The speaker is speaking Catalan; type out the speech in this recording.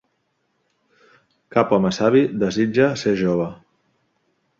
Cap home savi desitja ser jove.